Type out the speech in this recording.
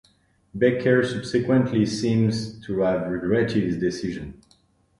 Becker subsequently seems to have regretted his decision.